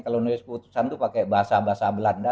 kalau nulis putusan itu pakai bahasa bahasa belanda